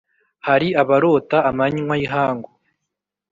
Hari abarota amanywa y ' ihangu,